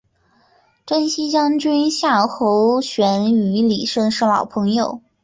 征西将军夏侯玄与李胜是老朋友。